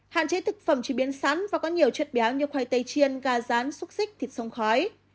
hạn chế thực phẩm chỉ biến sắn và có nhiều chuyện béo như khoai tây chiên gà rán xúc xích thịt sông khói